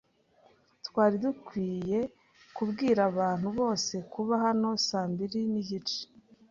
Twari dukwiye kubwira abantu bose kuba hano saa mbiri nigice,